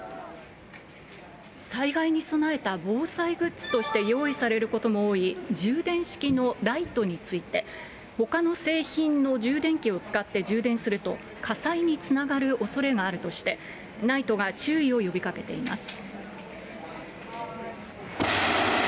災害に備えた防災グッズとして用意されることも多い、充電式のライトについて、ほかの製品の充電器を使って充電すると、火災につながるおそれがあるとして、ＮＩＴＥが注意を呼びかけています。